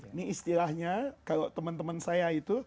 ini istilahnya kalau teman teman saya itu